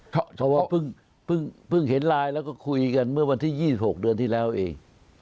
เพราะว่าเพิ่งเห็นไลน์แล้วก็คุยกันเมื่อวันที่๒๖เดือนที่แล้วเอง